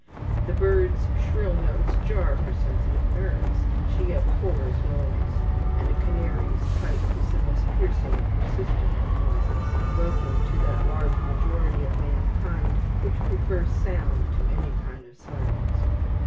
The bird's shrill notes jar her sensitive nerves. She abhors noise, and a canary's pipe is the most piercing and persistent of noises, welcome to that large majority of mankind which prefers sound of any kind to silence.